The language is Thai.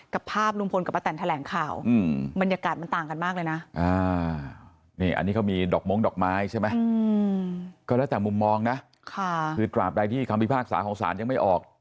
ก็แล้วแต่มุมมองนะคือกลับไปที่ความพิพากษาของศาลยังไม่ออก